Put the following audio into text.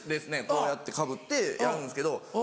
こうやってかぶってやるんですけど。